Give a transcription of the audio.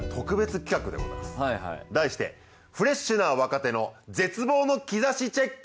題してフレッシュな若手の絶望の兆しチェック！